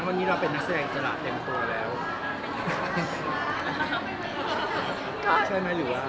วันนี้เราเป็นนักแสดงอินสาระเต็มโครแล้ว